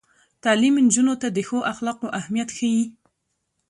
تعلیم نجونو ته د ښو اخلاقو اهمیت ښيي.